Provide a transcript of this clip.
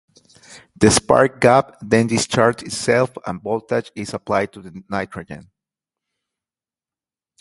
The spark gap then discharges itself and voltage is applied to the nitrogen.